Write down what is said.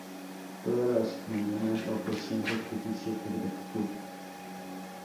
Todas las mañanas ofrecían sacrificios de gratitud.